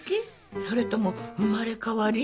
それとも生まれ変わり？